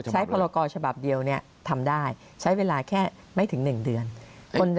พรกรฉบับเดียวทำได้ใช้เวลาแค่ไม่ถึง๑เดือน